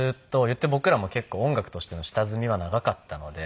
言って僕らも結構音楽としての下積みは長かったので。